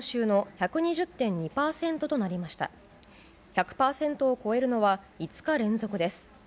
１００％を超えるのは５日連続です。